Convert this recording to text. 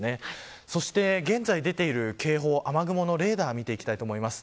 そして、現在出ている警報雨雲のレーダーを見ていきます。